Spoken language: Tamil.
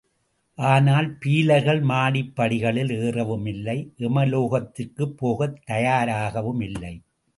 ஆனால், பீலர்கள் மாடிப் படிகளில் ஏறவுமில்லை, எமலோகத்திற்குப் போகத் தயாராகவும் இல்லை.